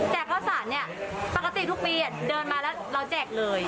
ข้าวสารเนี่ยปกติทุกปีเดินมาแล้วเราแจกเลย